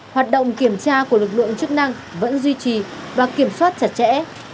hoạt động kiểm tra của lực lượng chức năng vẫn duy trì và kiểm soát chặt chẽ